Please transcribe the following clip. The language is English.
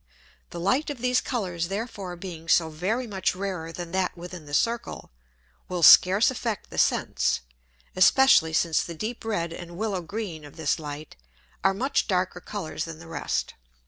The Light of these Colours therefore being so very much rarer than that within the Circle, will scarce affect the Sense, especially since the deep red and willow green of this Light, are much darker Colours than the rest.